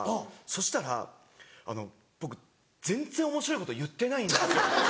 そしたら僕全然おもしろいこと言ってないんですよ。